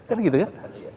kan gitu kan